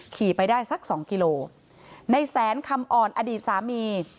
ขี่ไปได้สักสองกิโลในแสนคำอ่อนอดีตสามี